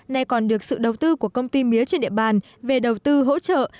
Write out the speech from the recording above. nay còn được sự đầu tư của công ty mía trên địa bàn về đầu tư hỗ trợ